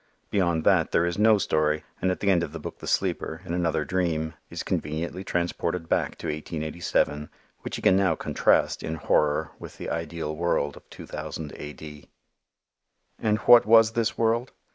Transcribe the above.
Beyond that there is no story and at the end of the book the sleeper, in another dream, is conveniently transported back to 1887 which he can now contrast, in horror, with the ideal world of 2000 A. D. And what was this world?